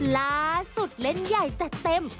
ล่าสุดเล่นใหญ่จัดเต็ม